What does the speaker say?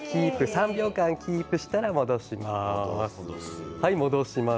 ３秒間キープしたら戻します。